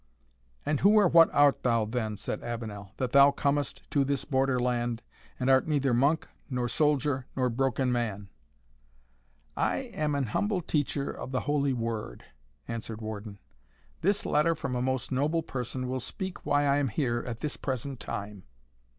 "And who or what art thou, then," said Avenel, "that thou comest to this Border land, and art neither monk, nor soldier, nor broken man?" "I am an humble teacher of the holy word," answered Warden. "This letter from a most noble person will speak why I am here at this present time."